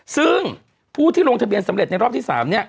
ซึ่งผู้ที่ลงทะเบียนสำเร็จในรอบที่๓เนี่ย